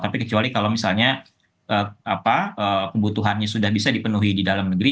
tapi kecuali kalau misalnya kebutuhannya sudah bisa dipenuhi di dalam negeri